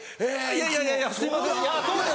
いやいやいやいやすいません。